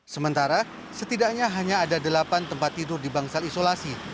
sementara setidaknya hanya ada delapan tempat tidur di bangsal isolasi